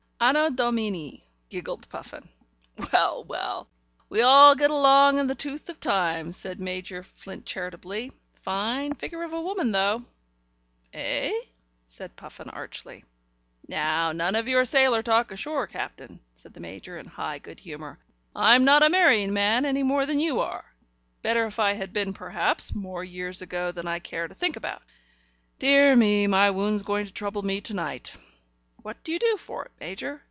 "Anno Domini," giggled Puffin. "Well, well, we all get long in the tooth in time," said Major Flint charitably. "Fine figure of a woman, though." "Eh?" said Puffin archly. "Now none of your sailor talk ashore, Captain," said the Major, in high good humour. "I'm not a marrying man any more than you are. Better if I had been perhaps, more years ago than I care to think about. Dear me, my wound's going to trouble me to night." "What do you do for it, Major?"